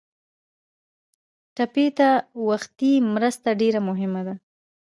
ټپي ته وختي مرسته ډېره مهمه ده.